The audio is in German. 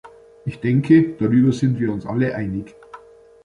Ich denke, darüber sind wir uns alle einig.